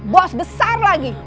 bos besar lagi